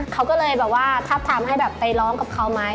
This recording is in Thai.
เขาก็เลยทาบถามให้แบบไปร้องกับเขาน์ไหม